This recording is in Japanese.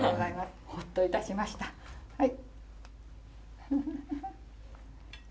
はい。